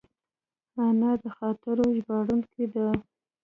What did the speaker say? انا د خاطرو ژباړونکې ده